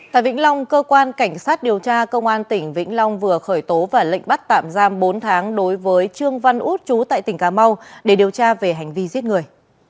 tại vĩnh long cơ quan cảnh sát điều tra công an tỉnh vĩnh long vừa khởi tố và lệnh bắt tạm giam bốn tháng đối với trương văn út chú tại tỉnh cà mau để điều tra về hành vi giết người